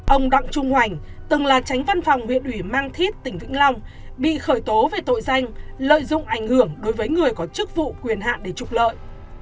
chín ông đặng trung hoành từng là tránh văn phòng huyện ủy mang thít tỉnh vĩnh long bị khởi tố về tội danh lợi dụng ảnh hưởng đối với người có chức vụ quyền hạn để trục lợi